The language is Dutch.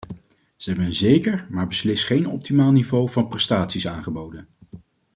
Ze hebben een zeker - maar beslist geen optimaal - niveau van prestaties aangeboden.